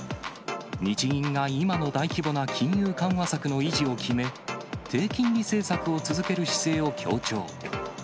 日銀が今の大規模な金融緩和策の維持を決め、低金利政策を続ける姿勢を強調。